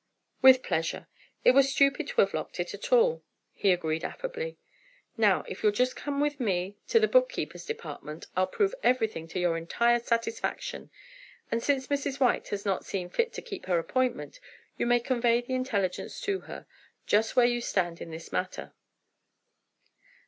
"With pleasure, it was stupid to have locked it at all," he agreed affably. "Now if you'll just come with me to the bookkeeper's department I'll prove everything to your entire satisfaction, and since Mrs. White has not seen fit to keep her appointment, you may convey the intelligence to her, just where you stand in this matter."